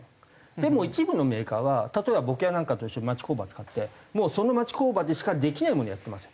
でも一部のメーカーは例えば僕やなんかと一緒に町工場を使ってその町工場でしかできないものをやってますよ。